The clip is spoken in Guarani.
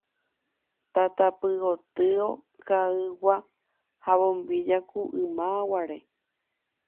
tatapy gotyo ka'ygua ha bombilla ku ymaguare